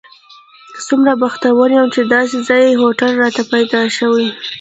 څومره بختور یم چې داسې ځای کې هوټل راته پیدا شوی.